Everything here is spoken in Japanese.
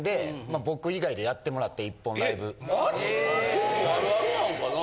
結構あるあるなんかな？